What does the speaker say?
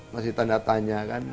masih tanda tanya kan